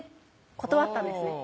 断ったんですね